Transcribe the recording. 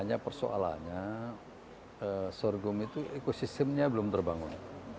hanya persoalannya sorghum itu ekosistemnya belum terbangun